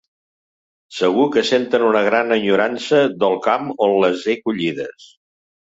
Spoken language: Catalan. Segur que senten una gran enyorança del camp d'on les he collides.